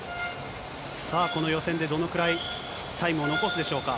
この予選でどのぐらいタイムを残すでしょうか。